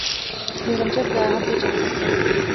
নিজাম সাহেব গায়ে হাত দিয়ে চমকে উঠলেন।